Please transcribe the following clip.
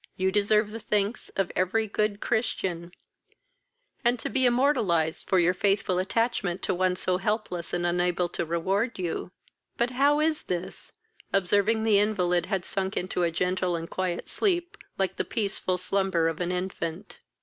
You deserve the thanks of every good Christian, and to be immortalized for your faithful attachment to one so helpless and unable to reward you. But how is this?" observing the invalid had sunk into a gentle and quiet sleep; like the peaceful slumber of an infant.